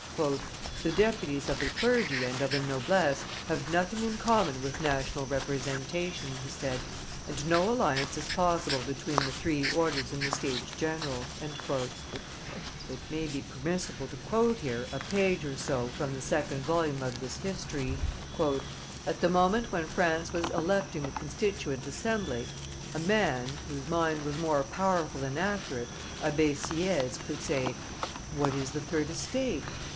"The deputies of the clergy and of the noblesse have nothing in common with national representation," he said, "and no alliance is possible between the three orders in the States general." It may be permissible to quote here a page or, so from the second volume of this history. "At the moment when France was electing the constituent assembly, a man, whose mind was more powerful than accurate, Abbe Sieyes, could say, 'What is the third estate?